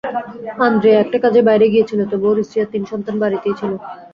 Andrea একটা কাজে বাইরে গিয়েছিল, তবে ওর স্ত্রী আর তিন সন্তান বাড়িতেই ছিল।